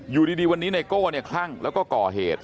อยู่ดีวันนี้ไนโก้เนี่ยคลั่งแล้วก็ก่อเหตุ